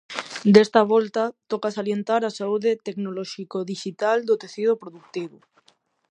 Desta volta, toca salientar a saúde tecnolóxico-dixital do tecido produtivo.